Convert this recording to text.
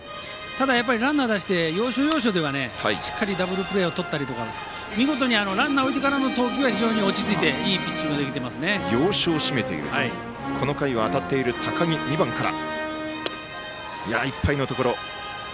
ランナーを出して、要所要所ではしっかりダブルプレーをとったりとか、見事にランナーをおいてからの投球は落ち着いていいピッチングがこの回は当たっている高木、２番から。